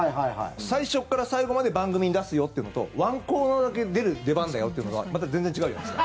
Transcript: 最初から最後まで番組に出すよというのと１コーナーだけ出る出番だよというのはまた全然違うじゃないですか。